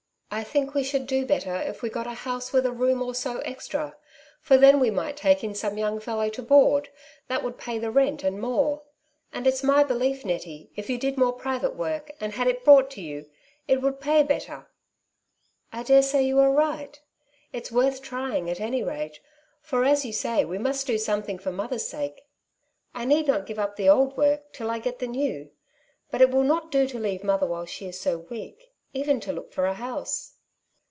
I think we Flitting, yj should do better if we got a house with a room or so extra, for then we might take in some young fellow to board, that would pay the rent and more ; and it's my belief, Nettie, if you did more private work, and had it brought to you, it would pay better." '' I dare say you are right; it's worth trying at any rate, for, as you say, we must do something for mother's sake. I need not give up the old work till I get the new. But it will not do to leave mother while she is so weak, even to look for a house."